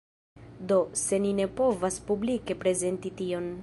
Do, se ni ne povas publike prezenti tion